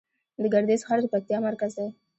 د ګردیز ښار د پکتیا مرکز دی